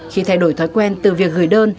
khi thay đổi thói quen từ việc gửi đơn